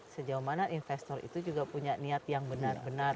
sejauh mana investor itu juga punya niat yang benar benar